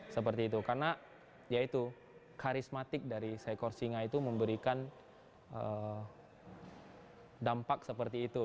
karena karismatik dari seekor singa itu memberikan dampak seperti itu